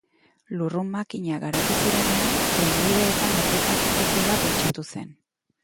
Lurrun-makinak garatu zirenean, trenbideetan aplika zitekeela pentsatu zen.